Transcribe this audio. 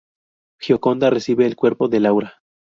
Gioconda recibe el cuerpo de Laura.